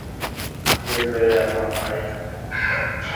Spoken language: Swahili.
Jembe ya mama aina tena makari